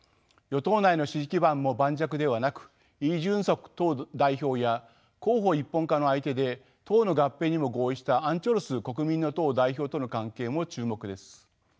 与党内の支持基盤も盤石ではなくイ・ジュンソク党代表や候補一本化の相手で党の合併にも合意したアン・チョルス国民の党代表との関係も注目です。